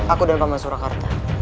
aku dan pak man surakarta